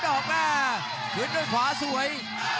ถึงในแก้งขวาสวย